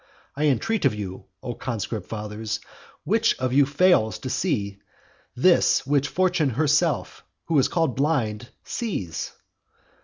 I entreat of you, O conscript fathers, which of you fails to see this which Fortune herself, who is called blind, sees?